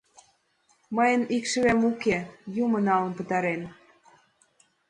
— Мыйын икшывем уке, юмо налын пытарен.